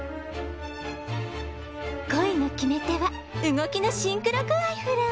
恋の決め手は動きのシンクロ具合フラ。